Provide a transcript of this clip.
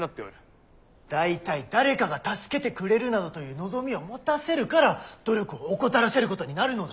大体誰かが助けてくれるなどという望みを持たせるから努力を怠らせることになるのだ！